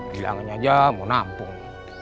bilangnya aja mau nampung